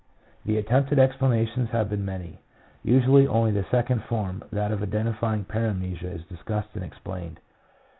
The attempted explanations have been many. Usually only the second form, that of identifying paramnesia, is discussed and explained.